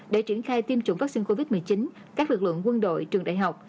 để triển khai tiêm chủng vaccine covid một mươi chín các lực lượng quân đội trường đại học